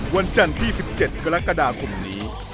วันจันทร์ที่๑๗กรกฎาคมนี้